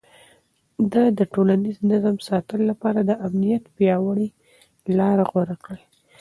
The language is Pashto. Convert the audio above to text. ده د ټولنيز نظم ساتلو لپاره د امنيت پياوړې لارې غوره کړې.